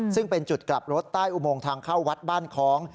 ซึ่งเป็นจุดกลับรถใต้อุโมงทางเข้าวัดบ้านคล้อง